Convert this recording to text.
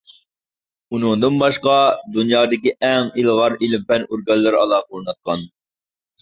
ئۇنىڭدىن باشقا دۇنيادىكى ئەڭ ئىلغار ئىلىم-پەن ئورگانلىرى ئالاقە ئورناتقان.